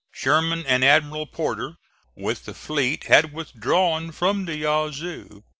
Sherman, and Admiral Porter with the fleet, had withdrawn from the Yazoo.